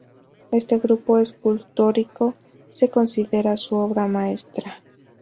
Este grupo escultórico se considera su obra maestra.